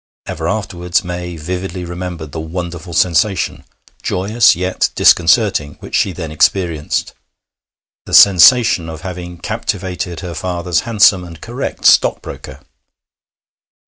Ever afterwards May vividly remembered the wonderful sensation, joyous yet disconcerting, which she then experienced the sensation of having captivated her father's handsome and correct stockbroker.